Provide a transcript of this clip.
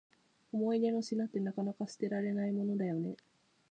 思い出の品って、なかなか捨てられないものだよね。